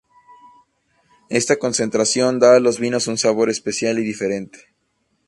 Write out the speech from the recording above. Esta concentración da a los vinos un sabor especial y diferente.